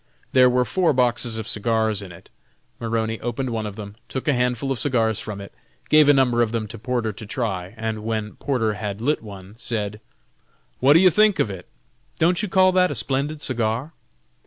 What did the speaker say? There were four boxes of cigars in it. Maroney opened one of them, took a handful of cigars from it, gave a number of them to Porter to try, and when Porter had lit one, said: "What do you think of that? don't you call that a splendid cigar?"